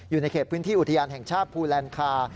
อยู่ในเขตพื้นที่อุทยานแห่งชาติภูแลนคา